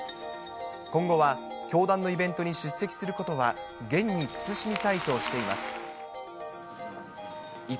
今後は教団のイベントに出席することは厳に慎みたいとしています。